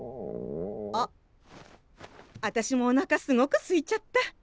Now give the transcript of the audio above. あっあたしもおなかすごくすいちゃった。